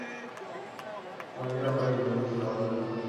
কলেজের আবাসিক ভবনগুলো হাউস নামে পরিচিত।